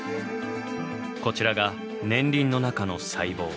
こちらが年輪の中の細胞。